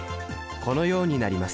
このようになります。